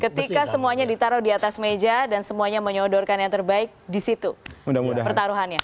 ketika semuanya ditaruh di atas meja dan semuanya menyodorkan yang terbaik di situ pertaruhannya